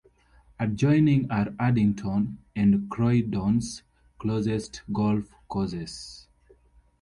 Adjoining are Addington and Croydon's closest golf courses.